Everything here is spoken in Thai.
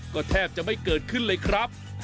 ก็แทบจะไม่เกิดขึ้นเลยครับ